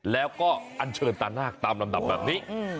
แล้วก็อันเชิญตานาคตามลำดับแบบนี้